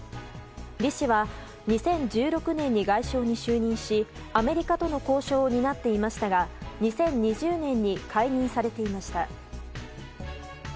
リ氏は２０１６年に外相に就任しアメリカとの交渉を担っていましたが２０２０年に解任されていました。